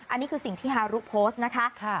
อันนี้คือสิ่งที่ฮารุโพสต์นะคะ